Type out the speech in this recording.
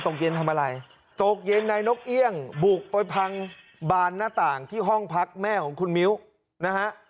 ตกเย็นทำอะไรตกเย็นนายนกเอี่ยงบุกไปพังบานหน้าต่างที่ห้องพักแม่ของคุณมิ้วนะฮะ